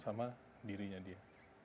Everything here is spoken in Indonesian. sama dirinya dia